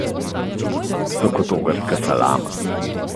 So kot ogrska salama.